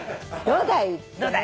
「どうだい！」